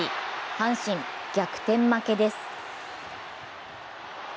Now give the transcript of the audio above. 阪神、逆転負けです。